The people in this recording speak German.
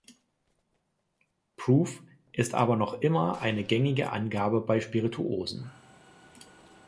Proof ist aber noch immer eine gängige Angabe bei Spirituosen.